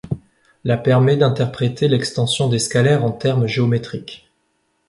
La permet d'interpréter l'extension des scalaires en termes géométriques.